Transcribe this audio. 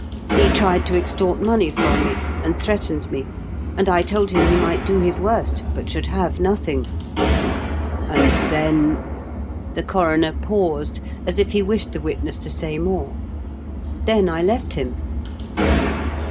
"He tried to extort money from me, and threatened me; and I told him he might do his worst, but should have nothing." " And then " The coroner paused, as if he wished the witness to say more. " Then I left him."